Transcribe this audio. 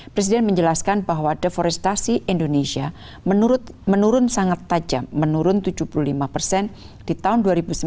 presiden menjelaskan bahwa deforestasi indonesia menurun sangat tajam menurun tujuh puluh lima di tahun dua ribu sembilan belas dua ribu dua puluh